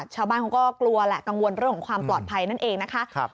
ชาวบ้านเขาก็กลัวแหละกังวลเรื่องของความปลอดภัยนั่นเองนะคะ